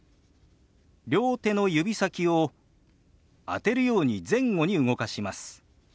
両手の指先を当てるように前後に動かします。